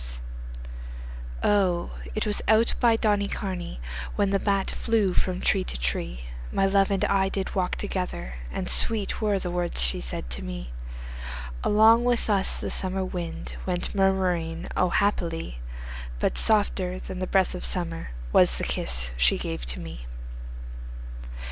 XXXI O, it was out by Donnycarney When the bat flew from tree to tree My love and I did walk together; And sweet were the words she said to me. Along with us the summer wind Went murmuring O, happily! But softer than the breath of summer Was the kiss she gave to me.